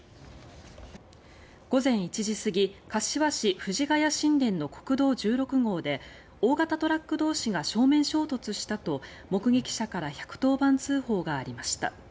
午前１時過ぎ柏市藤ケ谷新田の国道１６号で大型トラック同士が正面衝突したと目撃者から１１０番通報がありました。